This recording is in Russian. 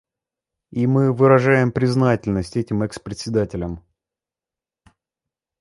И мы и выражаем признательность этим экс-председателям.